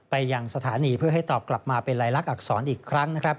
ไปยังสถานีเพื่อให้ตอบกลับมาเป็นลายลักษณอักษรอีกครั้งนะครับ